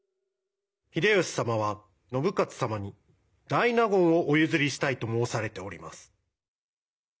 秀吉様は信雄様に大納言をお譲りしたいと申されております。